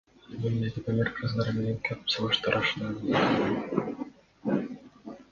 Мен бизди Памир кыргыздары менен көп салыштырышаарын байкадым.